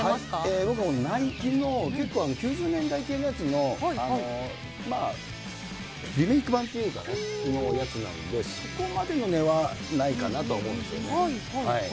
僕はナイキの、結構９０年代系のやつの、まあ、リメーク版というかね、のやつなんで、そこまでの値はないかなと思うんですよね。